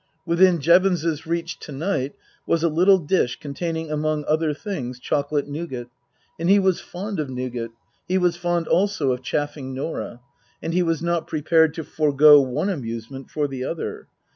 Within Jevons 's reach to night was a little dish containing among other things chocolate nougat. And he was fond of nougat. He was fond also of chaffing Norah. And he was not prepared to forego one amusement for the other.